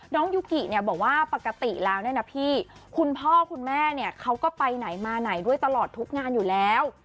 ยูกิเนี่ยบอกว่าปกติแล้วเนี่ยนะพี่คุณพ่อคุณแม่เนี่ยเขาก็ไปไหนมาไหนด้วยตลอดทุกงานอยู่แล้ว